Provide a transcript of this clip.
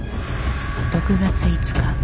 ６月５日。